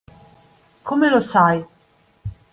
Come lo sai?